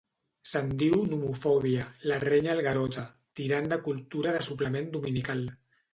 Se'n diu nomofòbia —la renya el Garota, tirant de cultura de suplement dominical.